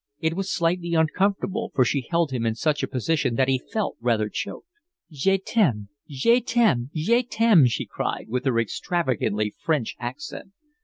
It was slightly uncomfortable, for she held him in such a position that he felt rather choked. "Ah, je t'aime. Je t'aime. Je t'aime," she cried, with her extravagantly French accent.